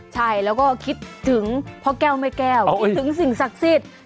ใช่แล้วก็คิดถึงพ่อแก้วแม่แก้วคิดถึงสิ่งศักดิ์สิทธิ์